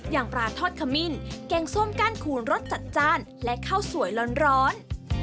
อย่างปลาทอดขมิ้นแกงส้มก้านคูณรสจัดจ้านและข้าวสวยร้อน